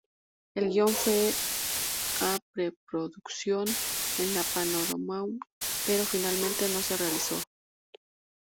El guion fue a preproducción en la Paramount pero finalmente no se realizó.